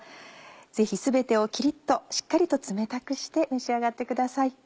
ぜひ全てをキリっとしっかりと冷たくして召し上がってください。